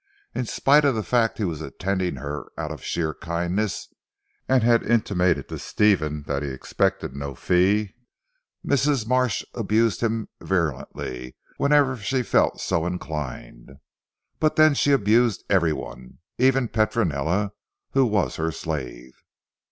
In spite of the fact that he was attending her out of sheer kindness, and had intimated to Stephen that he expected no fee, Mrs. Marsh abused him virulently whenever she felt so inclined. But then she abused everyone, even Petronella, who was her slave.